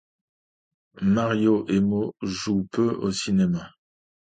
Maria Emo joue peu au cinéma.